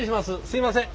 すいません。